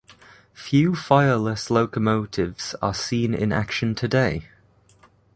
Few fireless locomotives are seen in action today.